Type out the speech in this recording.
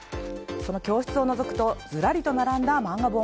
その教室をのぞくとずらりと並んだ漫画本。